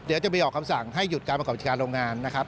เดี๋ยวจะมีออกคำสั่งให้หยุดการประกวัติการโรงงาน